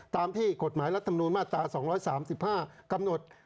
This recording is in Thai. ตามที่กฎหมายรัฐมนูลมาตรา๒๓๕กำหนด